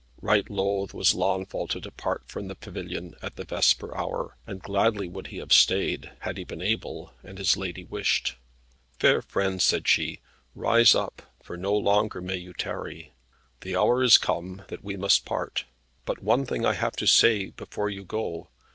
Right loath was Launfal to depart from the pavilion at the vesper hour, and gladly would he have stayed, had he been able, and his lady wished. "Fair friend," said she, "rise up, for no longer may you tarry. The hour is come that we must part. But one thing I have to say before you go.